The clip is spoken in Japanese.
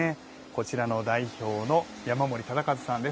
こちらの代表の山森忠一さんです。